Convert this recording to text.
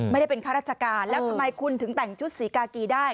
ไม่ได้เป็นข้าราชการแล้วทำไมคุณถึงแต่งชุดศรีกากีได้